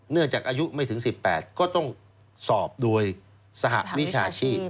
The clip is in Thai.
จากอายุไม่ถึง๑๘ก็ต้องสอบโดยสหวิชาชีพ